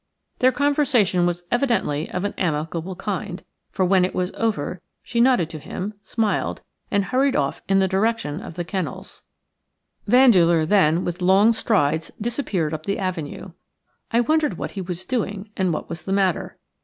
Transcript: Their conversation was evidently of an amicable kind, for when it was over she nodded to him, smiled, and hurried off in the direction of the kennels. Vandeleur then, with long strides, disappeared up the avenue. I wondered what he was doing and what was the matter.